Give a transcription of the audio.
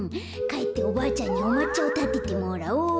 かえっておばあちゃんにおまっちゃをたててもらおっと。